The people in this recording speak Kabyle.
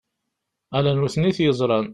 Ala nutni i t-yeẓran.